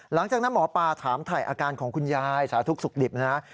หลังจากนั้นหมอปลาถามถ่ายอาการของคุณยายสาธุสุขดิบนะฮะ